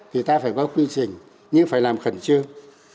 thì ta phải có quy trình nhưng phải làm khẩn trương